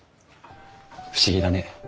不思議だね。